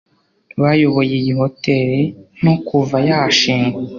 Bayoboye iyi hoteri nto kuva yashingwa